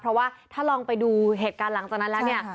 เพราะว่าถ้าลองไปดูเหตุการณ์หลังจากนั้นแล้วเนี่ย